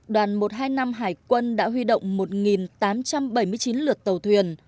đoàn một trăm hai mươi năm hải quân đã huy động một tám trăm bảy mươi chín lượt tàu thuyền